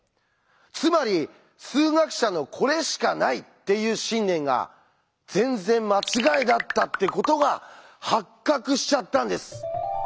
つまり数学者の「これしかない」っていう信念が全然間違いだったってことが発覚しちゃったんです。